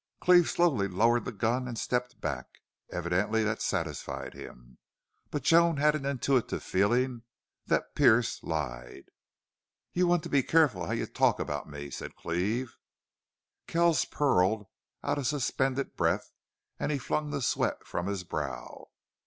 Cleve slowly lowered the gun and stepped back. Evidently that satisfied him. But Joan had an intuitive feeling that Pearce lied. "You want to be careful how you talk about me," said Cleve. Kells purled out a suspended breath and he flung the sweat from his brow.